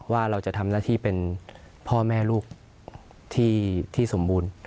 ว่าเราจะทำหน้าที่เป็นพ่อแม่ลูกที่สมบูรณ์